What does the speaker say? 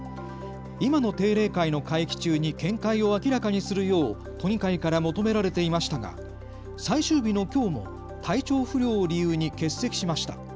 今の定例会の会期中に見解を明らかにするよう都議会から求められていましたが最終日のきょうも、体調不良を理由に欠席しました。